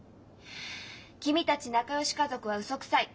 「君たち仲よし家族はウソくさい。